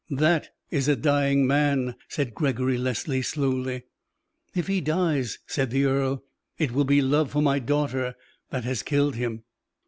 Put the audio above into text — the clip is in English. "That is a dying man," said Gregory Leslie, slowly. "If he dies," said the earl, "it will be love for my daughter that has killed him."